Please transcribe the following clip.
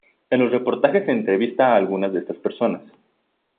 En los reportajes se entrevista a alguna de estas personas.